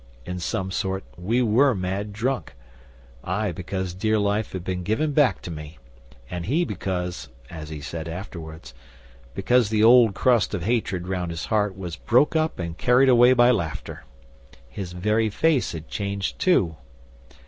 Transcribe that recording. In some sort we were mad drunk I because dear life had been given back to me, and he because, as he said afterwards, because the old crust of hatred round his heart was broke up and carried away by laughter. His very face had changed too.